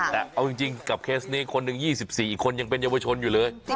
แต่เอาจริงกับเคสนี้คนหนึ่ง๒๔อีกคนยังเป็นเยาวชนอยู่เลย